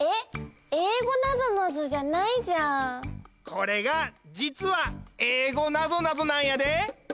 これがじつはえいごなぞなぞなんやで！